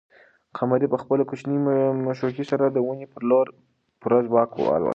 قمرۍ په خپلې کوچنۍ مښوکې سره د ونې پر لور په پوره ځواک والوته.